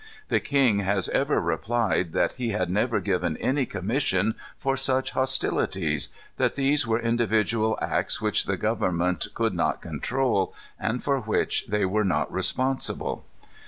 The king has ever replied that he had never given any commissions for such hostilities; that these were individual acts which the Government could not control, and for which they were not responsible.